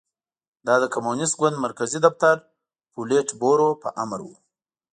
دا د کمونېست ګوند مرکزي دفتر پولیټ بورو په امر و